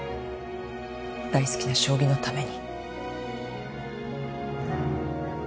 大好きな将棋のために。